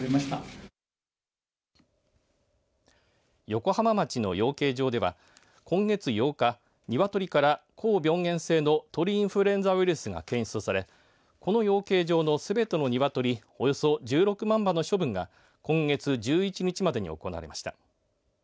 横浜町の養鶏場では今月８日、ニワトリから高病原性の鳥インフルエンザウイルスが検出されこの養鶏場のすべてのニワトリおよそ１６万羽の処分が今月１１日までに行われました。